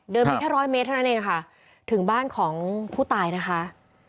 แค่ร้อยเมตรเท่านั้นเองค่ะถึงบ้านของผู้ตายนะคะ